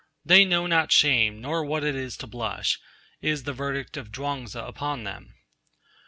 'They know not shame, nor what it is to blush,' is the verdict of Chuang Tzuu upon them.